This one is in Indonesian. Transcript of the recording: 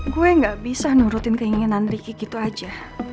gue gak bisa nurutin keinginan ricky gitu aja